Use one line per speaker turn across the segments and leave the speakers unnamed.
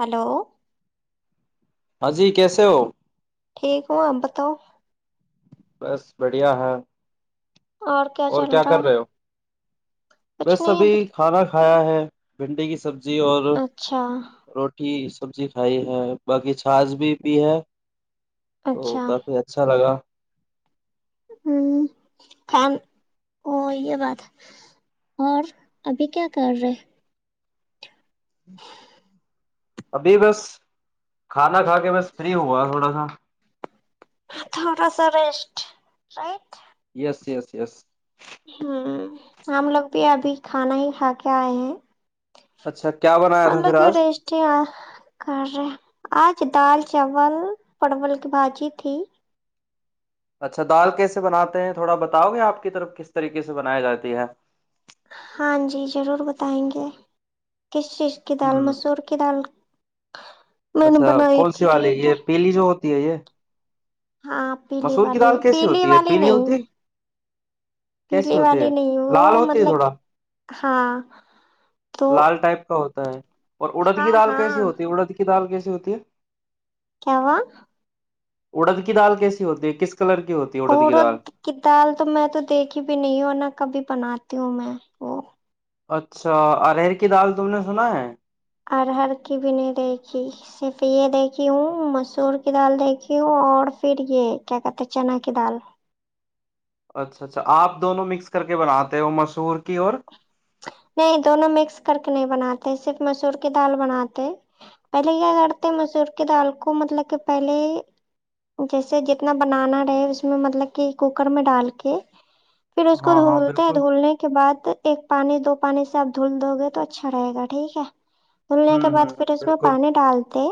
hello
ہاں جی کیسے ہو
ٹھیک ہوں آپ بتاؤ
بس بڑھیا ہے
اور کیا چل رہا
کر رہے ہو
کچھ
بس
نہیں
ابھی کھاناھ کھایا ہے بھنڈی کی سبزی جی اور
اچھا
روٹی سبزی کھائی ہے باقی چھاچ بھی پی ہے تو
اچھا
کافی اچھا لگا
ہ کان ا یہ بات اور ابھی کیا کر رہے
ابھی بس کھانا کھا کے بس فری ہوا تھوڑا سا
اں تھوڑا سرسٹ رائٹ
یس یس یس
ہ ہم لوگ بھی ابھی کھانا ہی کھا کے آئے ہیں
اچھا کیا بنایا
ال
تھا پھر
لوگ
آج
رس کر رہے آج دال چاول پرمول کی بھجی تھی
اچھا دال کیسے بناتے ہیں تھوڑا بتاؤ گے آپ کی طرف کس طریقے سے بنائی جاتی ہے
ہاں جی ضرور بتائیں گے کس چیز کی دال
ہ
مسور کی دال م نے
اچھا
بنائی
کون سی
تھی
والی
ٹھیک
یہ
ہے
پیلی جو ہوتی ہے یہ
ہاں پیلی
مسور کی
والی
دال
پیلی والی نہیں
کیسے
پیلی
ہوتے
والی
ہے
نہیں وہ
لال ہوتے ہے
مطلب
تھوڑا
کہ ہاں تو
لال ٹائپ کا ہوتا ہوتا ہے اور اڑد
ہاں
کی دال کیسی
ہاں
ہوتی ہے اڑد کی دال کیسی کیسی ہوتی ہے
کیا ہوا
اڑد کی دال کیسی ہوتی ہے کس کلر کی ہوتی ہے اڑد
اور
کی دال
کی دال تو میں تو دیکھی بھی نہیں ہ ن کبھی بناات توں میں وہ
اچھا ارر کی دال تم نے سنا ہے
ار ہر کی بھی نہیں دیکھی صرف یہ دیکھی ہوں مسور کی دال دیکھی ہوں اور پھر یہ کیا کہتے چنا کی دال
اچھا اچھا آپ دونوں مکس کر کے بناتے ہو مسور کی اور
نہیں دونوں مکس کر کے نہیں بناتے صرف مسور کی دال بناتے پہلے کیا کرتے مسور کی دال کو مطلب کہ پہلے جیسے جتنا بنانا رہے اس میں مطلب کہ کوکر میں ڈال کے پھر اس کو
ہاں ہاں
دھولتے ہیں
بالکل
دھولنے کے بعد ایک پانی دو پانی سے آپ دھل دو گے تو اچھا رہے گا ٹھیک ہے دھلنے کے
ہوں ہ
بعد پھر اس میں
بالکل
پانی ڈالتے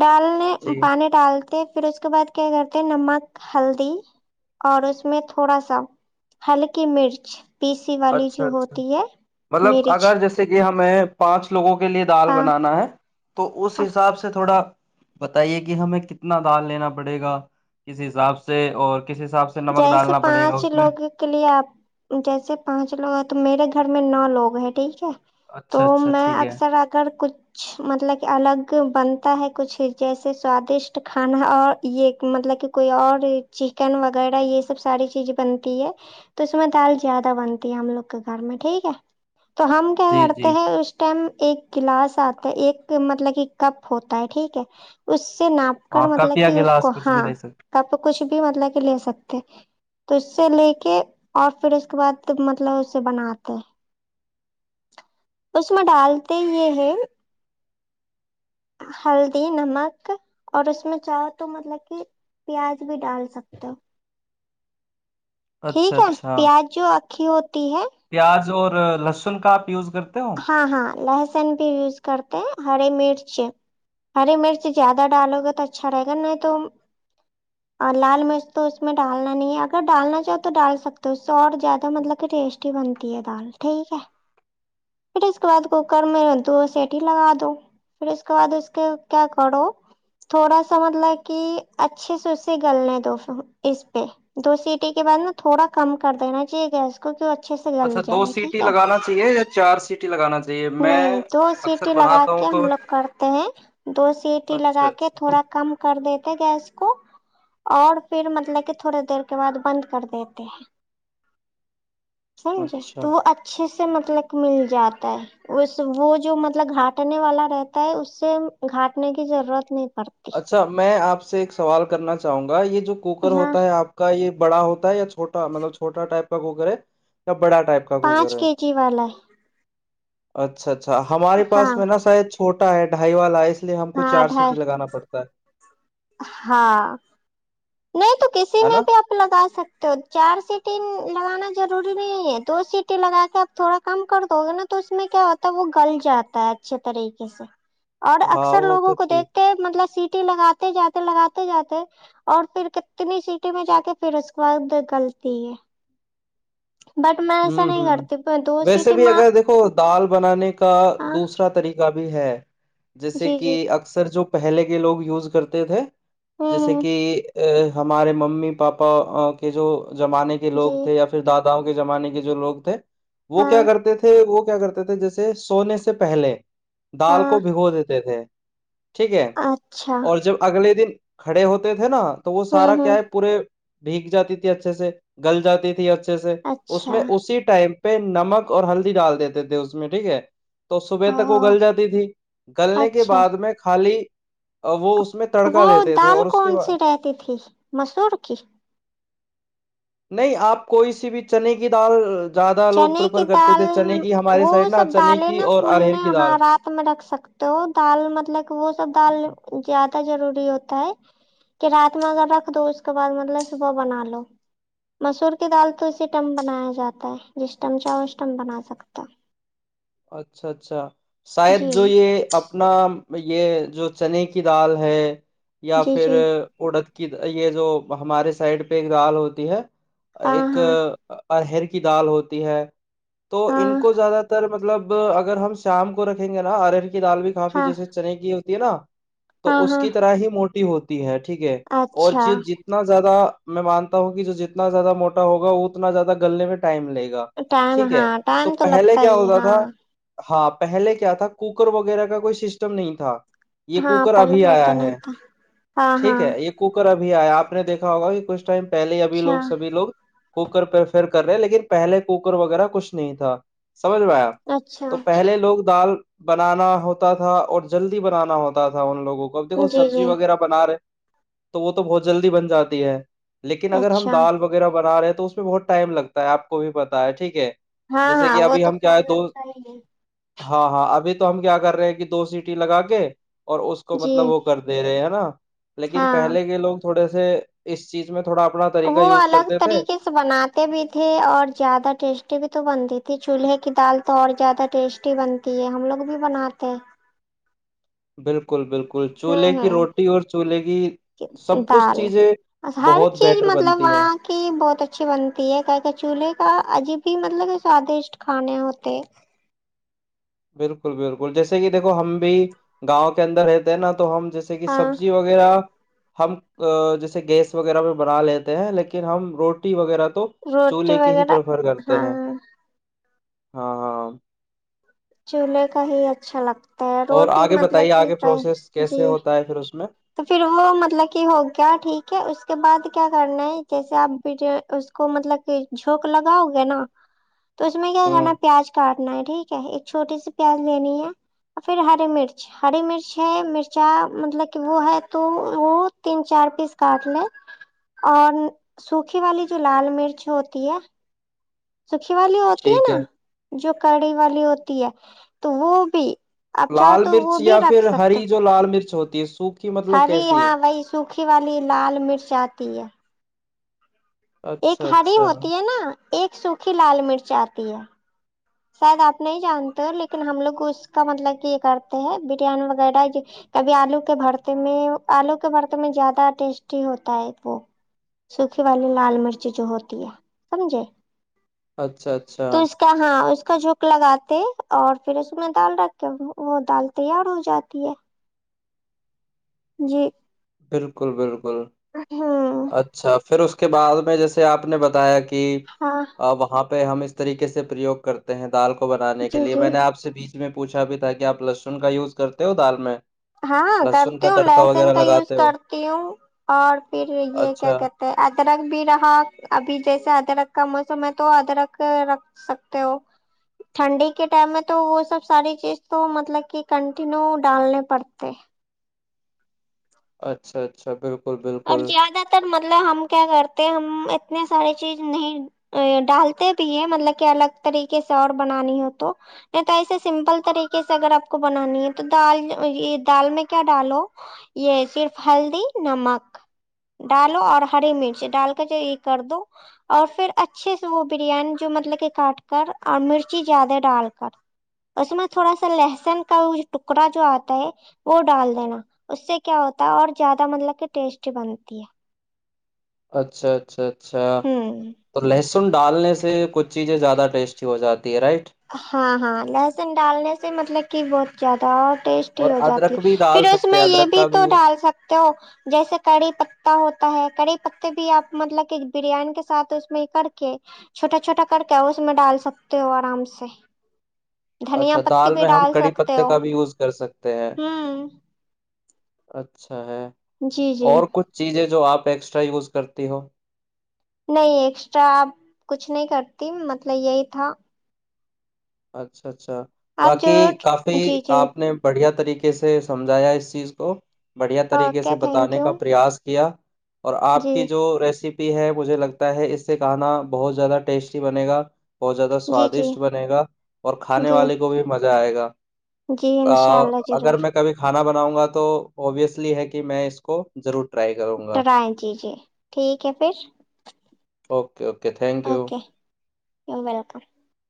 ڈالنے
جی
پانی ڈالتے پھر اس کے بعد کیا کرتے ہیں نمک ہلدی اور اس میں تھوڑا سا ہلکی مرچ پیس
اچھا اچھا مطلب
مرچ
اگر جیسے کہ ہم میں پانچ لوگوں کے لیے دال
ہاں
بنانا ہے تو اس
ہاں
حساب سے تھوڑا بتائیے کہ ہمیں کتنا دال لینا پڑے گا کس حساب سے اور کس حساب سے نمک
جیسے
ڈالنا پڑے گا
پانچ
اس میں
لوگ کے لیے آپ جیسے پانچ لوگ ہیں تو میرے گھر میں نو لوگ ہیں ٹھیک ہے
اچھا
تو
اچھا
میں
ٹھیک ہے
اکثر اگر کچھ مطلب کہ الگ بنتا ہے کچھ جیسے سوادشٹ کھانا اور یہ مطلب کہ کوئی اور چکن وغیرہ و وغیرہ یہ سب ساری چیز بنتی ہے تو اس میں دال زیادہ بنتی ہے ہم لوگ کے گھر میں ٹھیک ہے تو ہم کیا
جی
کرتے
جی
ہیں اس ٹائم ایک گلاس آتا ہے ایک مطلب کہ کپ ہوتا ہے ٹھیک ہے اس اس سے ناپ کر
ہاں کپ
مطلب
یا
کہ اس
گلاس
کو
کچھ بھی
ہاں
لے سکتے
کپ کچھ بھی مطلب کہ لے ستے تو اس سے لے کے اور پھر اس کے بعد مطلب اسے بناتے اس میں ڈالتے یہ ہے ہلدی نمک اور اس میں چاہو تو مطلب کہ پیاز بھی ڈال سکتے ہو ٹھیک
اچھا
ہے
اچھا
پیاز جو اکھی ہوتی ہے
پیاز اور لسن کا آپ یوز کر
ہاں ہاں ل ن بھی یوز کرتے ہیں ہری مرچ ہری مرچ زیادہ ڈالو گے تو اچھا رہے گا نہیں تو لال مرچ تو اس میں ڈالنا نہیں ہے اگر ڈالنا چاہو تو ڈال سکتے اس سے اور زیادہ مطلب کہ ٹیسٹی بنتی ہے دال ٹھیک ہے پھر اس کے بعد کوکر میں دو سیٹی لگا دو پھر اس کے بعد اس کے کیا کرو تھوڑا سا مطلب کہ اچھے سے اس سے گلنے دو اس پہ دو سیٹی کے بعد نا تھوڑا کم کر دینا چاہیے گیس کو اچھے سے گل
اچھا دو
جائے
سیٹی
ٹھیک ہے
لگانا چاہیے چار سیٹی لگانا چاہیے میں
نہیں دو
اکثر
سیٹی لگا
بناتا
کے
ہوں تو
ہم لوگ کرتے ہیں دو سیٹی
اچھا
لگا کے
اچھا
تھوڑا کم کر دیتے گیس کو اور پھر مطلب کہ تھوڑے دیر کے بعد بند کر دیتے ہیں سمجھے تو
اچھا
وہ اچھے سے سے مطلب مل جاتا ہے اس وہ جو مطلب گھاٹنے والا رہتا ہے اس سے گھٹنے کی ضرورت نہیں پڑتی
اچھا میں آپ سے ایک سوال کرنا چاہوں گا یہ جو کوکر
ہاں
ہوتا ہے آپ کا یہ بڑا ہوتا ہے چ چھٹاطلب چھٹا ٹائپ پغے کیا
پانچ کے جی والا ہے
اچھا اچھا اچھا ہمارے
ہاں
پاس میں نا ساید چھوٹا ہے ڈھائی والا ہے ے ہم کو
ہاں
چار
ڈھائی
سیٹیں لگا پڑ [inaudible]
ہاں نہیں تو کسی
ہے
میں
نا
بھی آپ لگا سکتے ہو چار سیٹی لگانا ضروری نہیں ہے تو سیٹییں لگا کے آپ تھوڑا کم کر دو گے نا تو اس میں کیا ہوتا ہے وہ گل جاتا ہے اچھے طریقے سے اور
ہاں
اکثر
وہ تو
لوگوں کو
ٹھیک
دیکھتے مطلب سیٹی لگاتے جات لگاتے جاتے اور پھر کتنی سیٹیں میں جا کے پھر اس کے بعد گلتی ہے بٹ میں ایسا
ہوں
نہیں
ہوں
کرتی دو
ویسے
سیٹی
بھی
ماں
اگر دیکھو دال بنانے کا
ہاں
دوسرا طریقہ بھی بھی ہے جیسے
جی
کہ
جی
اکثر جو پہلے کے لوگ یوز کرتے تھے
ہوں
جیسے
ہوں
کہ ا ہمارے ممی پاپا کے جو زمانے کے لوگ
جی
تھے یا پھر دانت ں کے زمانے جو لوگ تھے وہ کیا
ہاں
کرتے تھے وہ کرتے تھے جیسے سونے سے پہلے دال
ہاں
کو بھگو دیتے تھے ٹھیک ہے
اچھا
اور جب اگلے دن کھڑے ہوتے تھے نا تو وہ سارا
ہوں
کیا
ہوں
ہے پورے بھیگ جاتی تھی اچھے سے گل جاتی تھی اچھے سے
اچھا
میں اسی ٹائم نمک اور ہلدی ڈال دیتے تھے اس میں ٹھیک ہے تو صبح تک وہ
او
گل جاتی تھی گلنے کے
اچھا
بعد میں خالی ا وہو
وہ دال کون سی رہتی تھی مسور کی
نہیں آپ کوئی سی بھی چنے کی دال زیادہ لوگ
چنے کی
پریفر کرتے
دال
تھے چنے کی ہمارے
وہ
سائڈ نا
سب
چنے
دالیں
کی
نا
اور ارہر
پھولنے
کی
وہاں
دال
رات میں رکھ سکتے ہو دال مطلب پو س ڈال جات ضروری ہوتا ہے کہ رات میں اگر رکھ دو اس کے بعد مطلب صبح بنا لو مسور کی دال تو اسی ٹم بنایا جاتا ہے جشٹم چ اوشٹم بنا سکتا
اچھا اچھا شاید
جی
جو یہ اپنا یہ جو چنے کی دال ہے یا
جی
پھر
جی
اڑد کہ یہ جو ہمارے سائڈ پہ ایک دال ہوتی ہے
ہاں ہاں
ایکر کی دال ہوتی ہے تو ان
ہاں
کو زیادہ تر مط مطلب اگر ہم شام کو رکھیں گے نا ار کی دال بھی کافی
ہاں
جیسے چنے گی تی نا تو
ہاں
اس
ہاں
کی طرح ہی موٹی ہوتی ہے ٹھیک ہے اور
اچھا
ج جتنا زیادہ میں مانتا ہوں کہ جو جتنا زیادہ موٹا ہوا اتنا زیادہ گلنے میں ٹائم [unintelligible] لے گا
ٹائم
ٹھیک ہے
ہاں
تو
ٹائم
پہلے
لگتا
کیا
ہی
ہوتا
ہاں
تھا [unintelligible] تھا ہاں [unintelligible] پہلے کیا تھا کوکر وغیرہ کا کوئی سسٹم نہیں تھا [unintelligible] یہ
ہاں
کوکر
پہلے
ابھی
وہ تو
آیا
نہیں
ہے
تھا ہاں
ٹھیک
ہاں
ہے یہ کوکر ابھی [unintelligible] بھی آیا آپ نے دیکھا ہوا کہ کس ٹائم [unintelligible] پہلے ابھی
اچھا
لوگ سبھی لوگ [unintelligible] کوکر پہ فر کر رہے لیکن پہلے کوکر وغیرہ کچھ نہیں تھا سمجھ میں آ [unintelligible]
اچھا
تو پہلے لوگ دال [unintelligible] بنانا ہوتا تھا اور جلدی بنانا ہوتا تھا ان لوگ [unintelligible] وہ کب دیکو
جی
سبزی
جی
وغیرہ بنا رہے [unintelligible] تو وہ تو بہت جلدی بن جاتی ہے [unintelligible] لیکن اگر ہم
اچھا
دال وغیرہ بنا رہے ہیں [unintelligible] تو اس میں بہت ٹائم لگتا ہے آ کو بھی پتا ہے ٹھیک ہے
ہاں
جیسے
ہاں
کہ
وہ
ابھی
تو
ہم کیا
ٹم
ہے دو
لگتا ہی ہے [unintelligible]
ہاں ہاں ابھی تو ہم کیا کر رہے ہیں کہ دو سیٹی لگا کے [unintelligible] اور اس کو
جی
مطلب وہ کر دے رہے ہیں [unintelligible] نہ [unintelligible] لیکن
ہاں
پہلے کے لوگ تھوڑے سے [unintelligible] اس چیز میں [unintelligible] طریقہ
وہ
یوز
الگ
کرتے تھے
طریقے سے بناتے بھی تھے اور زیادہ ٹیسٹی بھی تو بنتی تھی چلہے [unintelligible] کی دال تو اور زیادہ ٹیسٹی بنتی ہے ہم لوگ بھی بناتے ہیں [unintelligible]
بالکل بالکل [unintelligible]
ہ ہ
کی روٹی اور چولہے کی سب کچھ
دال
چیزیں
ہر
بہت
چیز
بیٹر
مطلب
بنتی ہیں
وہاں کی بہت اچھی بنتی ہے کہ کہ چولہے کا عجب بھی ملب [unintelligible] سادشٹ کھانے ہوتے [unintelligible]
بالکل بالکل جیسے کہ دیکھو ہم بھی گاؤں کے اندر رہتے ہیں نا [unintelligible] تو ہم جیسے کہ
ہاں
سبزی وغیرہ [unintelligible] ہم جیسے گیس وغیرہ پہ بنا لیتے ہیں لیکن ہم روٹی وغیرہ [unintelligible]
روٹی
چولہے کی ہی
وغیرہ
پریفر کرتے
ہاں
ہیں
[unintelligible]
ہاں ہاں [unintelligible]
چولے کا ہی اچھا لگتا [unintelligible]
اور
روٹی
آگے بتائیے
مطلب
آگے
کہ
پروسیس
جی
کیسے ہوتا ہے پھر اس میں [unintelligible]
تو پھر وہ مطلب کہ ہو گیا ٹھیک ہے اس کے بعد کیا کرنا ہے جیسے آپ اس کو مطلب کہ جھونک لگاؤ گے نا [unintelligible] تو اس میں کیا کرنا
ہوں
پیاز کاٹ [unintelligible] ٹھیک ہے ایک چھوٹی سی پیاز لینی ہے اور پھر ہری مرچ ہری مرچ ہے مرچا مطلب وہ ہے تو وہ تین چار پیس کاٹ لیں اور سوکھی والی جو لال مرچ ہوتی ہے سکھی والی ہوتی ہے نا جو کڑی والی ہوتی ہے تو وہ بھی آپ چاہو
لال
تو
مرچ
وہ
یا پھر ہری جو لال مرچ ہوتی [inaudible] مطلب
ہر
کیسی
ہاں بائی سوکی والی لال مرچ آتی ہے ایک
اچھا
ہری
اچھا
ہوتی ہے نا ایک سوکھی لال مرچ آتی ہے شاید آپ نہیں جانتے ہو لیکن ہم لوگ اس کا مطلب کہ یہ کرتے ہیں بریانی وغیرہ کبھی آلو کے بھرتے میں آلو کے بھرتے میں زیادہ ٹیسٹی ہوتا ہے وہ سوکھی والی لال مرچ جو ہوتی ہے سمجھے
اچھا اچھا
تو اس کا ہاں اس کا جھک لگاتے اور پھر اس میں دال رکھ کے وہ دال تیار ہو جاتی ہے جی
بالکل بالکل
ہوں
اچھا پھر اس کے بعد میں جیسے آپ نے بتایا کہ
ہاں
کہ وہاں پہ ہم اس طریقے سے پرریوگ کرتے ہیں دال کو بنانے کے
جی
لیے
جی
میں نے آپ سے بیچ میں پوچھا بھی تھا کہ آپ لہسن کا یوز کرتے ہو دال میں
ہاں
لہسن
کرتی
کا
ہوں
تڑکا
لہسن
وغیرہ
کا یوز
لگاتے ہو
کرتی ہوں اور پھر یہ کیا
اچھا
کہتے ادرک بھی رہا ابھی جیسے ادرک کا موسم ہے تو ادرک رکھ سکتے ہو ٹھنڈی کے ٹائم میں تو وہ سب ساری چیز تو مطلب کہ کنٹینیو ڈالنے پڑتے تے
اچھا اچھا بالک
اور زیادہ تر مطلب ہم کیا کرتے ہم اتنے سارے چیز نہیں ڈالتے بھی ہے مطلب کہ الگ طریقے سے اور بنانی ہو تو نہیں تو ایسے سمپل طریقے سے اگر آپ کو بنانی ہے تو دال یہ دال میں کیا ڈالو یہ صرف ہلدی نمک ڈالو اور ہری مرچ ڈال کر جو یہ کر دو اور پھر اچھے سے وہ بریانی جو مطلب کہ کاٹ کر اور مرچی زیادہ ڈال کر اس میں تھوڑا سا لہسن کا ٹکڑا جو آتا ہے وہ ڈال دینا اس سے کیا ہوتا ہے اور زیادہ مطلب کہ ٹیسٹ بنتی ہے
اچھا اچھا اچھا اچھا
ہے ہوں
تو لہسن ڈالنے سے کچھ چیزیں زیادہ ٹیسٹی ہوات ہے رائٹ
ہاں ہاں لہسن ڈالنے سے مطلب کہ بہت زیادہ ٹیسٹی
اور
ہو جاتی
ادرک بھی ڈال
پھر اس
سکتے ہیں
میں یہ
ادرک
بھی
کا
تو ڈال سکتے ہو جیسے کڑی پتا ہوتا ہے کی پتے بھی آپ مطلب کہ بریانی کے ساتھ اس میں کر کے چھوٹا چھوٹا کر کے اس میں ڈال سکتے ہو آرام سے سےی
اچھا دال میں ہم کڑی پتے کا بھی یوز کر سکتے ہیں
ہوں
اچھا اچھا ہے
جی جی
اور کچھ چیزیں جو آپ ٹیکسٹا یوز کرتی ہو
نہیں ایکسٹرا اپ کچھ نہیں کرتی مطلب یہی تھا
اچھا اچھا اچھا
آپ ضرور
باقی کافی
جی جی
آپ نے بڑھیا طریقے سے سمجھایا اس چیز کو بڑھیا طریقے سے
اوکے تھینک
بتانے
یو
کا پریاس کیا اور آپ
جی
کی جو ریسیپی ہے مجھے لگتا ہے اس سے کھانا بہت زیادہ ٹیسٹی بنے گا بہت زیادہ
جی جی
سواددشٹ بنے گا اور کھے
جی
والے کو بھی مزہ مہ آئے گا
جی انشاء
ا
اللہ ضرور
اگر میں کبھی کھانا بنا آؤں گا تو اوبویسلی ہے کہ میں اس کو ضرور ٹرائی کروں گا
رائ جی جی ٹھیک ہے پھر
[unintelligible] okay okay thank you
okay [unintelligible]